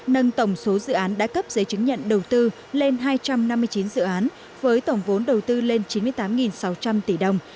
nâng tổng số dự án đã cấp giấy chứng nhận đầu tư lên hai trăm năm mươi chín dự án với tổng vốn đầu tư lên chín mươi tám sáu trăm linh tỷ đồng